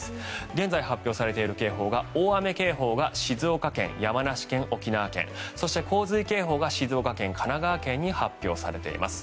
現在、発表されている警報が大雨警報が静岡県、山梨県、沖縄県そして、洪水警報が静岡県神奈川県に発表されています。